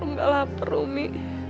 rumah gak lapar rumi